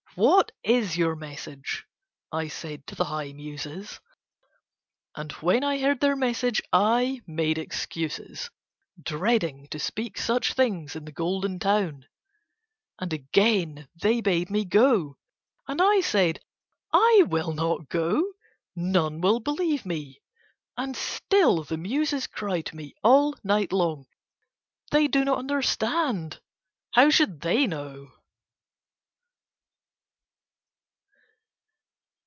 "What is your message?" I said to the high Muses. And when I heard their message I made excuses, dreading to speak such things in the Golden Town; and again they bade me go. And I said: "I will not go. None will believe me." And still the Muses cry to me all night long. They do not understand. How should they know?